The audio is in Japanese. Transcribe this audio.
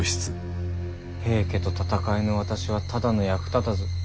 平家と戦えぬ私はただの役立たず。